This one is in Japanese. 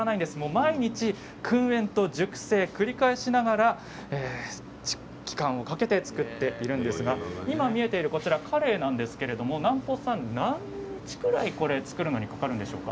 毎日くん煙と熟成を繰り返しながら期間をかけて作っていくんですが今、見えているこちらカレイですけれど何日ぐらい作るのにかかるんですか。